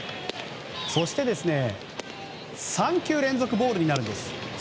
そして、３球連続ボールになるんです。